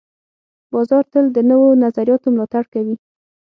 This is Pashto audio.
بازار تل د نوو نظریاتو ملاتړ کوي.